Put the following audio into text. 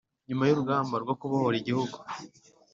Nyuma y urugamba rwo kubohora Igihugu